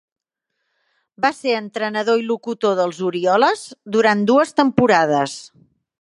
Va ser entrenador i locutor dels Orioles durant dues temporades.